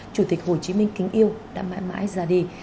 chủ tịch hồ chí minh kính yêu đã mãi mãi ra đi